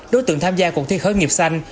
đối tượng tham gia cuộc thi khởi nghiệp xanh